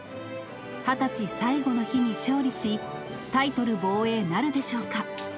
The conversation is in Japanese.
２０歳最後の日に勝利し、タイトル防衛なるでしょうか。